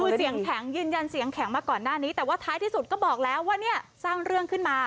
คือเสียงแข็งยืนยันเสียงแข็งมาก่อนหน้านี้แต่ว่าท้ายที่สุดก็บอกแล้วว่าเนี่ยสร้างเรื่องขึ้นมา